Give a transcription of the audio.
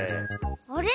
あれ？